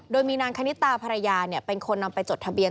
โดยมีนางคณิตาภรรยาเป็นคนนำไปจดทะเบียน